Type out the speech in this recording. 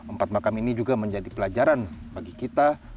empat makam ini juga menjadi pelajaran bagi kita